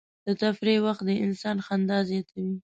د تفریح وخت د انسان خندا زیاتوي.